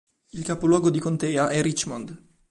Il capoluogo di contea è Richmond